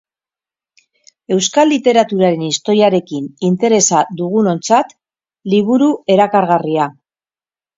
Euskal literaturaren historiarekin interesa dugunontzat liburu erakargarria.